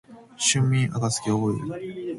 春眠暁を覚えず